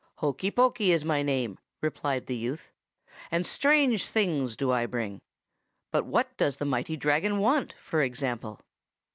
"'Hokey Pokey is my name,' replied the youth, 'and strange things do I bring. But what does the mighty Dragon want, for example?